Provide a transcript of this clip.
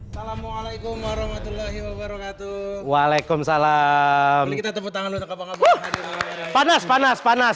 salamualaikum warahmatullahi wabarakatuh waalaikumsalam kita tepuk tangan panas panas panas